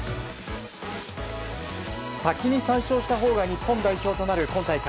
先に３勝したほうが日本代表となる今回の大会。